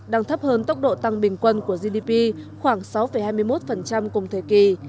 đang thấp hơn tốc độ tăng bình quân của gdp khoảng sáu hai mươi một cùng thời kỳ